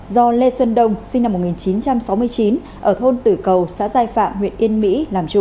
do lê xuân đông sinh năm một nghìn chín trăm sáu mươi chín ở thôn tử cầu xã giai phạm huyện yên mỹ làm chủ